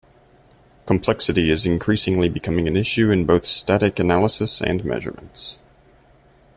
Complexity is increasingly becoming an issue in both static analysis and measurements.